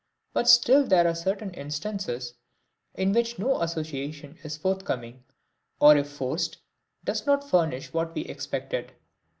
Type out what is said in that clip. But still there are certain instances in which no association is forthcoming, or if forced does not furnish what we expected.